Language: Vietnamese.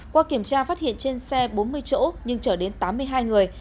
qua kiểm tra phát hiện trên xe bốn mươi chỗ nhưng chở đến tám mươi hai người